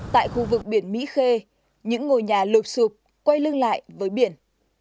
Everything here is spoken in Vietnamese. tại khu vực biển mỹ khê những ngôi nhà lụp sụp quay lưng lại với biển